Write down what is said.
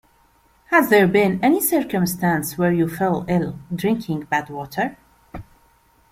Has there been any circumstance where you fell ill drinking bad water?